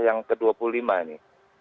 yang ke dua puluh lima ini